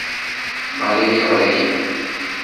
Valeria. Valeria.